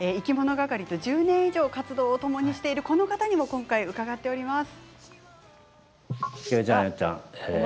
がかりと１０年以上活動をともにしているこの方に伺っています。